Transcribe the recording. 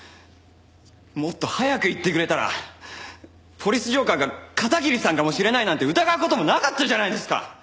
もっと早く言ってくれたら「ポリス浄化ぁ」が片桐さんかもしれないなんて疑う事もなかったじゃないですか！